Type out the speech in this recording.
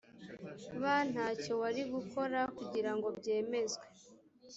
ba nta cyo wari gukora kugira ngo byemezwe